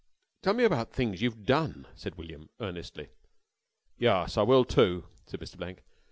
"Tell me about things you've done," said William earnestly. "Yus, I will, too," said Mr. Blank.